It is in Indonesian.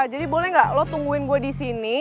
jadi boleh ga lo tungguin gua disini